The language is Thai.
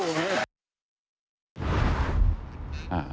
สวัสดีนะครับ